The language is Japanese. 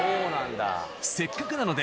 せっかくなので